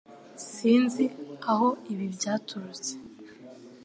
Sinzi aho ibi byaturutse